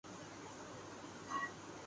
غیر تحریر شدہ